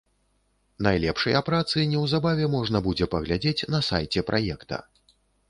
Найлепшыя працы, неўзабаве можна будзе паглядзець на сайце праекта.